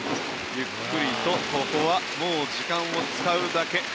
ゆっくりと、ここはもう時間を使うだけ。